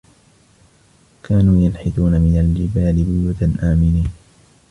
وَكَانُوا يَنْحِتُونَ مِنَ الْجِبَالِ بُيُوتًا آمِنِينَ